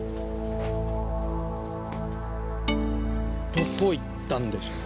どこ行ったんでしょう？